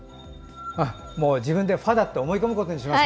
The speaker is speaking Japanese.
自分でファだと思い込むことにします！